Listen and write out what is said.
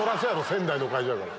仙台の会場やから。